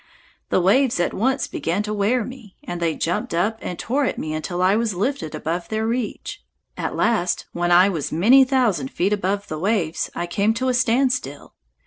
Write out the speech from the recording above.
The waves at once began to wear me, and they jumped up and tore at me until I was lifted above their reach. At last, when I was many thousand feet above the waves, I came to a standstill.